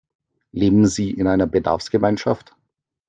Leben Sie in einer Bedarfsgemeinschaft?